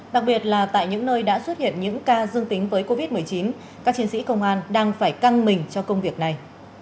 đặc biệt là tại những nơi đã xuất hiện những ca dương tính với covid một mươi chín các chiến sĩ công an đang phải căng mình cho công việc này